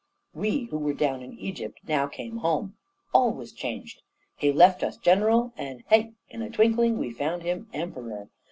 "We, who were down in Egypt, now came home. All was changed! He left us general, and hey! in a twinkling we found him EMPEROR.